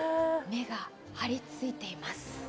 目が張り付いています。